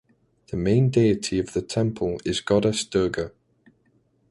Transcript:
The main deity of the temple is Goddess Durga.